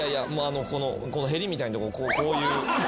このへりみたいなとこをこういう。